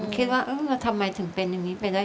ทั้งในเรื่องของการทำงานเคยทำนานแล้วเกิดปัญหาน้อย